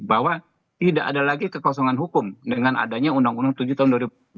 bahwa tidak ada lagi kekosongan hukum dengan adanya undang undang tujuh tahun dua ribu dua belas